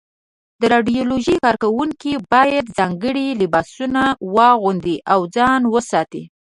د رادیالوجۍ کارکوونکي باید ځانګړي لباسونه واغوندي او ځان وساتي.